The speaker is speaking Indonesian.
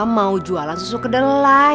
mau jualan susu kudelai